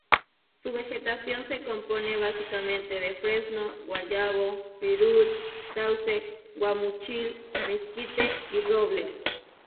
Su vegetación se compone básicamente de fresno, guayabo, pirul, sauce, guamúchil, mezquite y roble.